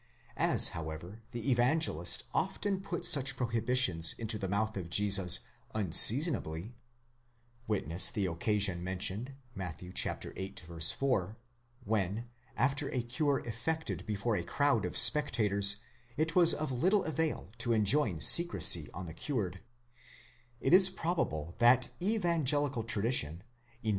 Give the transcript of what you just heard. As, however, the Evangelist often put such prohibitions into the mouth of Jesus unseasonably (witness the occasion mentioned, Matt. viii. 4, when, after a cure effected before a crowd of spectators, it was of little avail to enjoin secrecy on the cured),® it is prob 6 Fritzsche, in Matth. p. 309, comp. 352.